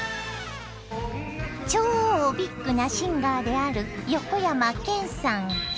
超ビッグなシンガーである横山剣さん。